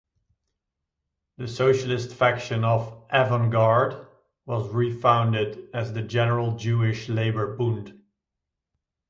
The socialist faction of "Avangard" was refounded as the General Jewish Labour Bund.